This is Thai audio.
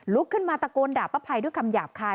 ขึ้นมาตะโกนด่าป้าไพรด้วยคำหยาบคาย